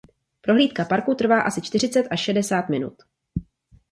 Prohlídka parku trvá asi čtyřicet až šedesát minut.